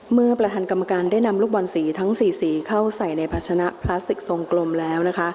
เมื่อประธานกรรมการได้นำลูกบอลสีทั้ง๔สีเข้าใส่ในพัชนะพลาสติกทรงกลมแล้วนะคะ